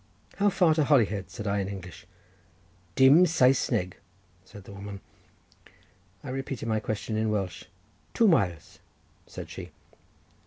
"How far to Holyhead?" said I in English. "Dim Saesneg," said the woman. I repeated my question in Welsh. "Two miles," said she.